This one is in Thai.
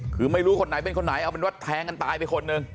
คือไม่รู้คนไหนเป็นคนไหนเอาเป็นว่าแทงกันตายไปคนหนึ่ง